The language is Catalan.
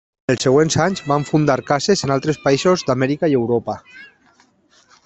En els següents anys van fundar cases en altres països d'Amèrica i Europa.